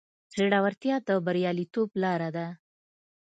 زړورتیا د بریالیتوب لاره ده.